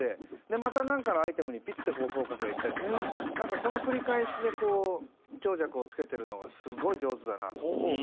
でまたなんかのアイテムにピッてフォーカスがいったりとかなんかその繰り返しでこう強弱をつけてるのがすごい上手だなと思って。